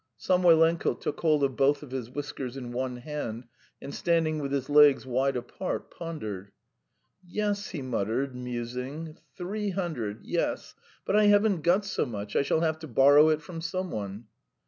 ..." Samoylenko took hold of both his whiskers in one hand, and standing with his legs wide apart, pondered. "Yes ..." he muttered, musing. "Three hundred. ... Yes. ... But I haven't got so much. I shall have to borrow it from some one."